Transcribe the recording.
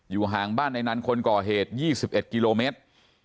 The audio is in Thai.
ห่างบ้านในนั้นคนก่อเหตุ๒๑กิโลเมตร